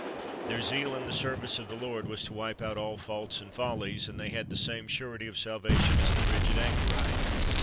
Their zeal in the service of the Lord was to wipe out all faults and follies, and they had the same surety of salvation as the rigid anchorite.